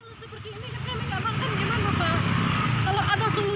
kalau seperti ini kita makan gimana pak